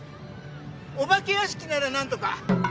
お化け屋敷なら何とか。